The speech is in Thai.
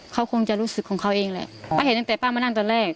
เขาคงจะรู้สึกของเขาเองแหละป้าเห็นตั้งแต่ป้ามานั่งตอนแรก